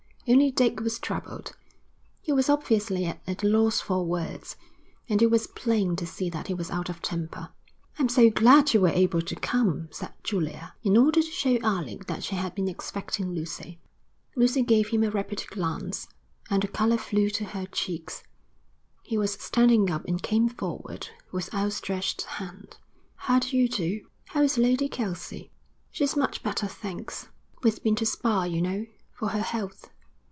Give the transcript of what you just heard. Only Dick was troubled. He was obviously at a loss for words, and it was plain to see that he was out of temper. 'I'm so glad you were able to come,' said Julia, in order to show Alec that she had been expecting Lucy. Lucy gave him a rapid glance, and the colour flew to her cheeks. He was standing up and came forward with outstretched hand. 'How do you do?' he said. 'How is Lady Kelsey?' 'She's much better, thanks. We've been to Spa, you know, for her health.'